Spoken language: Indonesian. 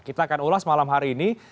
kita akan ulas malam hari ini